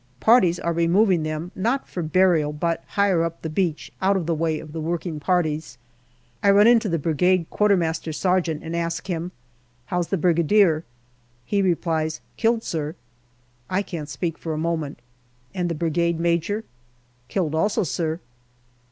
Parties are removing them, not for burial, but higher up the beach out of the way of the working parties. I run into the Brigade quartermaster sergeant and ask him, " How's the Brigadier ?" He replies, " Killed, sir." I can't speak for a moment. "And the Brigade Major?" " Killed also, sir."